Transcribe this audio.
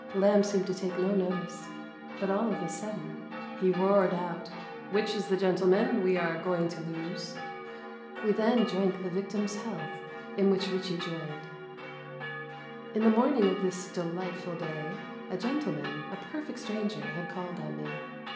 liamb iieemed tp take nQ notice ; but all of a nidden 1817.] A party: wordsworth: lamb: keats. 341 ke roared out, ''Which is the gentleman we are goihg to }o«e 1*' We then drank the victim's health, in which RiCchie joined. In the morning of this delightful day, a gentleman, a per fect stranger, had called on me.